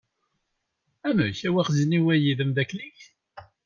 Amek, awaɣzeniw-agi d ameddakel-ik?